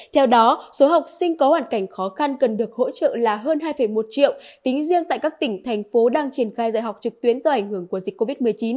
theo đó số học sinh có hoàn cảnh khó khăn cần được hỗ trợ là hơn hai một triệu tính riêng tại các tỉnh thành phố đang triển khai dạy học trực tuyến do ảnh hưởng của dịch covid một mươi chín